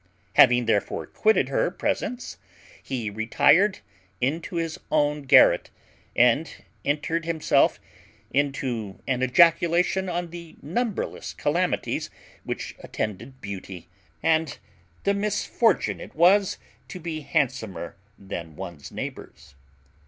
Having therefore quitted her presence, he retired into his own garret, and entered himself into an ejaculation on the numberless calamities which attended beauty, and the misfortune it was to be handsomer than one's neighbours.